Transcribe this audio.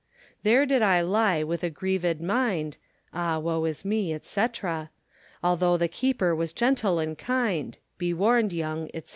There did I lye with a grieved minde, Ah woe is me, &c. Although the keeper was gentle and kinde, Be warned yong, &c.